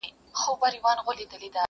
o سل سمنه ايږده، د يوه بې عقله ځان خلاصوه٫